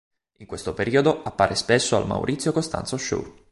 In questo periodo appare spesso al Maurizio Costanzo Show.